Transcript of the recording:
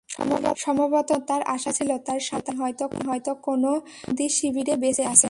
সম্ভবত তখনো তাঁর আশা ছিল, তাঁর স্বামী হয়তো কোনো বন্দিশিবিরে বেঁচে আছেন।